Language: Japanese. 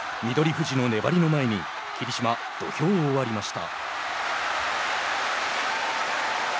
富士の粘りの前に霧島、土俵を割りました。